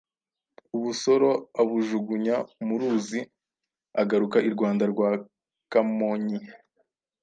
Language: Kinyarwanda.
ubusoro abujugunya mu ruzi agaruka i Rwanda rwa Kamonyi,